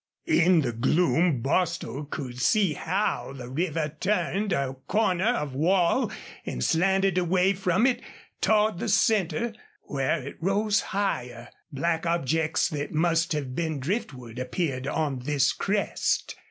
In the gloom Bostil could see how the river turned a corner of wall and slanted away from it toward the center, where it rose higher. Black objects that must have been driftwood appeared on this crest.